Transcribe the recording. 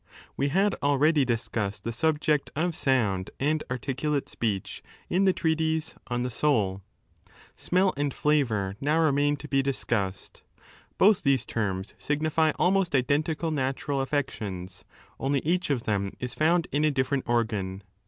We had already discussed the subject of sound and articulate speech in the treatise On the Send} Smell and flavour now remain to be discussed. Both these terms signify almost identical natural affections, only each of them is found in a 2 different organ.